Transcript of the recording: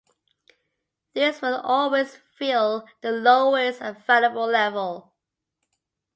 These will always fill the lowest available level.